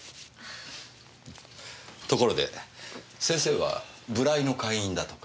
ところで先生はブライの会員だとか？